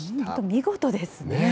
見事ですね。